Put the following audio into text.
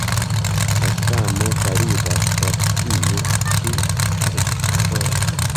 La samo validas por tiu ĉi artikolo.